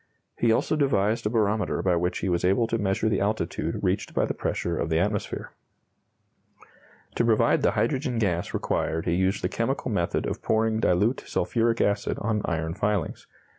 He also devised a barometer by which he was able to measure the altitude reached by the pressure of the atmosphere. To provide the hydrogen gas required he used the chemical method of pouring dilute sulphuric acid on iron filings.